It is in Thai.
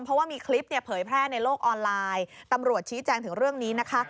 เพราะว่ามีคลิปเนี่ยเผยแพร่ในโลกออนไลน์ตำรวจชี้แจงถึงเรื่องนี้นะคะ